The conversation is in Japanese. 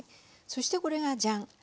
そしてこれがジャン！